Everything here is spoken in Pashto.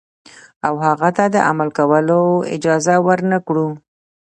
او هغه ته د عمل کولو اجازه ورنکړو.